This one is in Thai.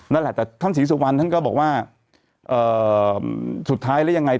นั่นแหละแต่ท่านศรีสุวรรณท่านก็บอกว่าเอ่อสุดท้ายแล้วยังไง